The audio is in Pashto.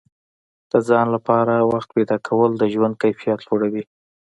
د ځان لپاره وخت پیدا کول د ژوند کیفیت لوړوي.